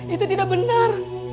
itu tidak benar